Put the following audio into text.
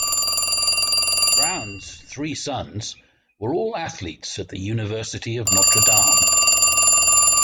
Brown's three sons were all athletes at the University of Notre Dame.